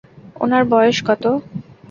ওনার বয়স কত?